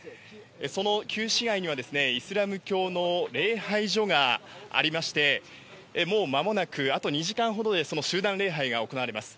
その旧市街には、イスラム教の礼拝所がありまして、もう間もなく、あと２時間ほどでその集団礼拝が行われます。